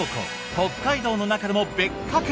北海道の中でも別格。